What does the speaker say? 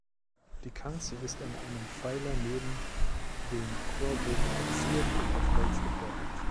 Die Kanzel ist an einem Pfeiler neben dem Chorbogen platziert und aus Holz gefertigt.